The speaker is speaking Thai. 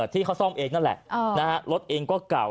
ที่เขาซ่อมเองนั่นแหละรถเองก็เก่า